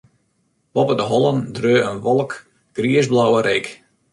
Boppe de hollen dreau in wolk griisblauwe reek.